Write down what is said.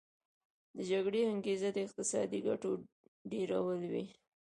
د جګړې انګیزه د اقتصادي ګټو ډیرول وي